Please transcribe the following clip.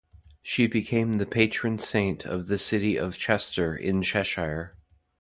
She became the patron saint of the city of Chester in Cheshire.